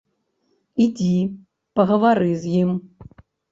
Ідзі, пагавары з ім.